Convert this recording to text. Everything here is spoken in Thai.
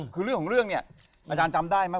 คือเรื่องของเรื่องเนี่ยอาจารย์จำได้ไหม